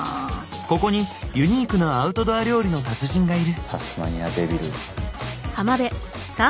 ここにユニークなアウトドア料理の達人がいる。